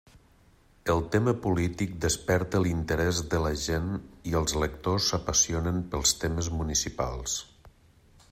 El tema polític desperta l'interès de la gent i els lectors s'apassionen pels temes municipals.